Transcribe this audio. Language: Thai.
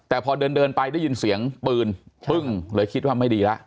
แต่พอเดินไปได้ยินเสียงปืนปึ้งเลยคิดว่าไม่ดีแล้ว